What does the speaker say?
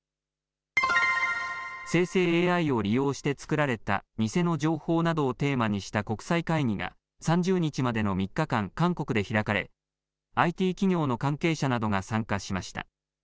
生成ＡＩを利用して作られた偽の情報などをテーマにした国際会議が、３０日までの３日間、韓国で開かれ、ＩＴ企業の関係者などが参加しました。